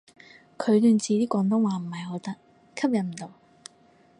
佢段字啲廣東話唔係好得，吸引唔到